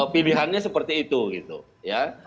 pilihannya seperti itu gitu ya